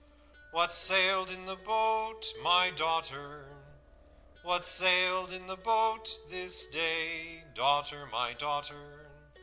"'What sailed in the boat, my daughter? What sailed in the boat this day, Daughter, my daughter?'